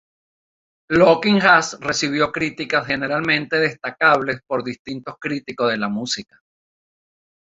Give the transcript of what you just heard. Lookin Ass recibió críticas generalmente destacables por distintos críticos de la música.